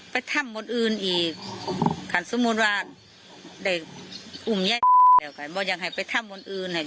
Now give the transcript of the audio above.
ไปทำบนอื่นอีกคันสมมุติว่าได้อุ่มแย่บ่อยอยากให้ไปทำบนอื่น